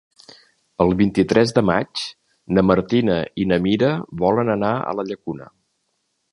El vint-i-tres de maig na Martina i na Mira volen anar a la Llacuna.